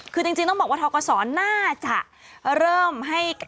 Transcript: คือจริงต้องบอกว่าทกศน่าจะเริ่มให้